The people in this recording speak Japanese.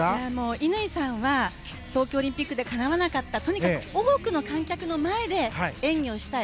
乾さんは東京オリンピックでかなわなかったとにかく多くの観客の前で演技をしたい。